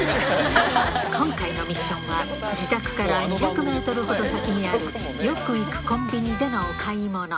今回のミッションは、自宅から２００メートルほど先にある、よく行くコンビニでのお買い物。